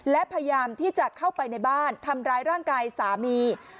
และพยายามที่จะเข้าไปในบ้านทำร้ายร่างกายสามี